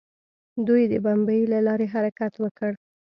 دوی د بمیي له لارې حرکت وکړ.